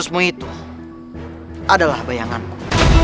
semua itu adalah bayangan ku